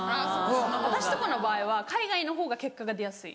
私とかの場合は海外のほうが結果が出やすい。